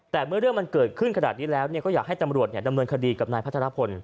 แต่เมื่อเรื่องมันเกิดขึ้นขนาดนี้แล้วก็อยากให้ตำรวจดำเนินคดีกับนายพัฒนพล